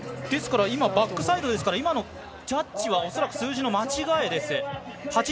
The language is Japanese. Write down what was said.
ですから今バックサイドですから今のジャッジは恐らく数字の間違いです。